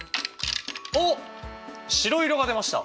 おっ白色が出ました！